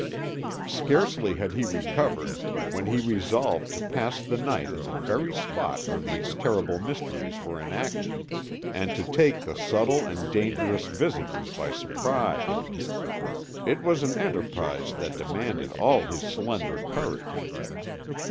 Scarcely had he recovered, when he resolved to pass the night in the very spot where these terrible mysteries were enacted, and to take the subtle and dangerous visitors by surprise. It was an enterprise that demanded all his slender courage.